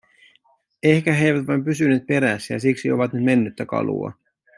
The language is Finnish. Ehkä he eivät vain pysyneet perässä, ja siksi ovat nyt mennyttä kalua.